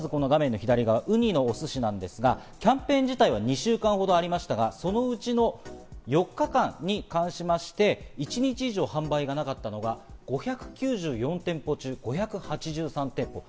まずウニのお寿司、キャンペーン自体は２週間ほどありましたが、そのうちの４日間に関しまして、一日以上販売がなかったのが５９４店舗中５８３店舗。